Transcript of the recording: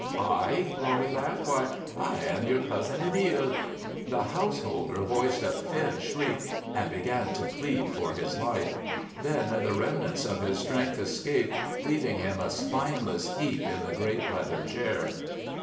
"I?" Roly laughed. "Why, I am your cousin Emile!" The householder voiced a thin shriek and began to plead for his life. Then the remnants of his strength escaped, leaving him a spineless heap in the great leather chair.